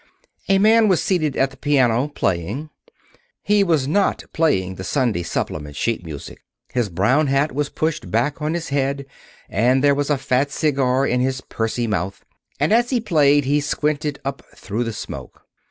A man was seated at the piano, playing. He was not playing the Sunday supplement sheet music. His brown hat was pushed back on his head and there was a fat cigar in his pursy mouth, and as he played he squinted up through the smoke.